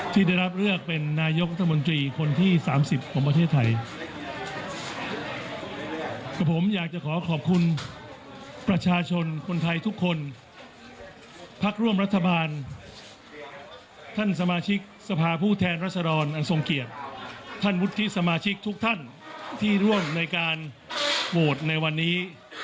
ท่านบุฒิสมาชิกทุกท่านที่ร่วมในการโหวตในวันนี้